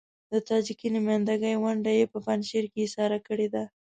د تاجکي نمايندګۍ ونډه يې په پنجشیر کې اېسار کړې ده.